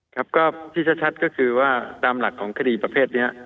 ครับก็ที่ชัดก็คือว่าตามหลักของคดีประเภทนี้